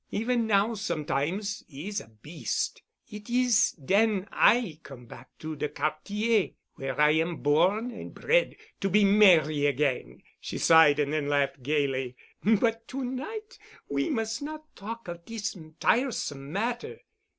Even now sometimes 'e is a beast. It is den I come back to de Quartier where I am born and bred—to be merry again." She sighed and then laughed gayly. "But to night we mus' not talk of dis tiresome matter.